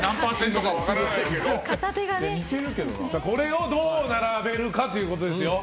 これをどう並べるかということですよ。